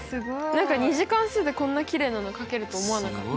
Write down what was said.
何か２次関数でこんなきれいなのかけると思わなかった。